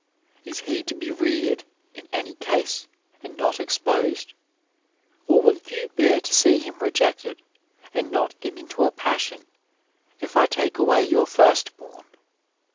Is he to be reared in any case and not exposed ? or will you bear to see him rejected and not get into a passion if I take away your first bom ?